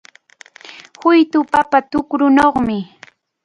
Huytu papa tukrunawmi.